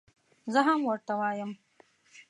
زه هم ورته وایم.